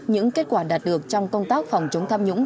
những kết quả đạt được trong công tác phòng chống tham nhũng